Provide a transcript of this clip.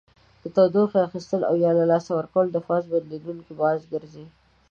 د تودوخې اخیستل او یا له لاسه ورکول د فاز بدلیدو باعث ګرځي.